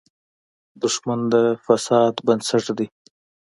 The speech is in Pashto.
دښمن د فساد بنسټ دی